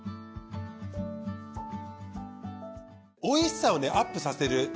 おいしさをねアップさせる